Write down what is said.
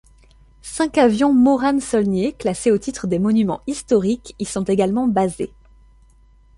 Cinq avions Morane-Saulnier classés au titre des monuments historiques y sont également basés.